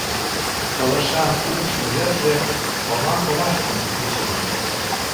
Пылышан упш йырже кома коваштым кучымо.